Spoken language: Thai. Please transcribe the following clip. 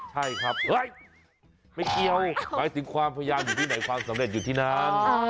ใช่ครับเฮ้ยไม่เกี่ยวหมายถึงความพยายามอยู่ที่ไหนความสำเร็จอยู่ที่นั้น